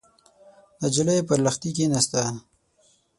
نجلۍ پر لښتي کېناسته.